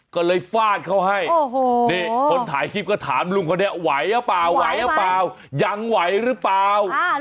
ก็เลยฟาดเขาให้คนถ่ายคลิปก็ถามลุงเขาเนี่ยไหวหรือเปล่ายังไหวหรือเปล่า